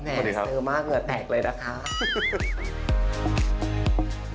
แหมนเซอร์มากเหงื่อแตกเลยนะครับ